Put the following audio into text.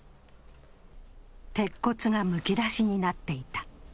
鉄骨がむき出しになっていた。